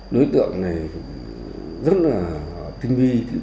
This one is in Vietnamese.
đối tượng này rất là tinh vi